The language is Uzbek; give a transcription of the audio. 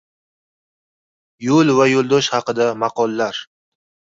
Yo‘l va yo‘ldosh haqida maqollar.